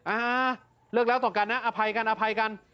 อ่าฮะเลิกแล้วต่อกันนะอภัยกันอภัยกัน